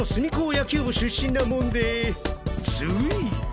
野球部出身なもんでつい。